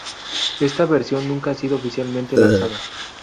Esta versión nunca ha sido oficialmente lanzada.